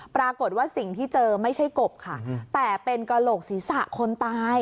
ปรากฏว่าสิ่งที่เจอไม่ใช่กบค่ะแต่เป็นกระโหลกศีรษะคนตาย